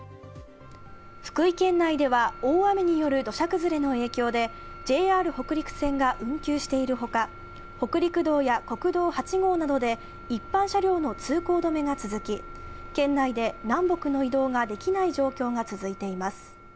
福井県内では大雨による土砂崩れの影響でＪＲ北陸線が運休しているほか、北陸道や国道８号などで一般車両の通行止めが続き、県内で南北の移動ができない状況が続いています。